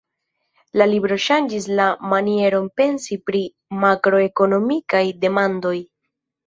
La libro ŝanĝis la manieron pensi pri makroekonomikaj demandoj.